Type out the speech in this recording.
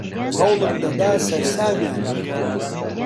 هەوڵم دەدا سەرسامیان بکەم.